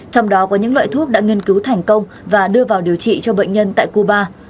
trong đó có những loại thuốc đã nghiên cứu thành công và đưa vào điều trị cho bệnh nhân tại cuba